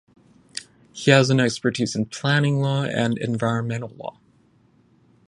He has an expertise in planning law and environmental law.